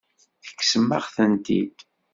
Tekksem-aɣ-tent-id.